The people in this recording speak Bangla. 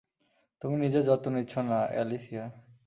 তুমি নিজের যত্ন নিচ্ছ না, অ্যালিসিয়া।